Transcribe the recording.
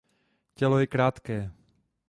Tělo je krátké.